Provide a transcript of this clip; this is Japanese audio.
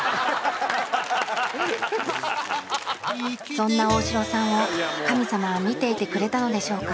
そんな大城さんを神様は見ていてくれたのでしょうか？